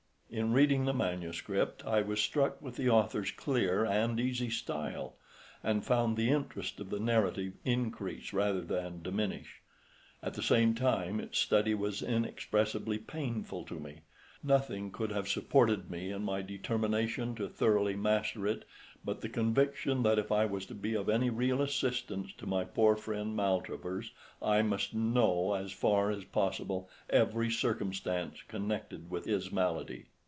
In reading the manuscript I was struck with the author's clear and easy style, and found the interest of the narrative increase rather than diminish. At the same time its study was inexpressibly painful to me. Nothing could have supported me in my determination to thoroughly master it but the conviction that if I was to be of any real assistance to my poor friend Maltravers, I must know as far as possible every circumstance connected with his malady.